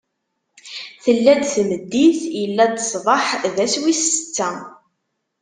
Tella-d tmeddit, illa-d ṣṣbeḥ: d ass wis setta.